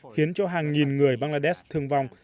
hàng nghìn người bangladesh thương vong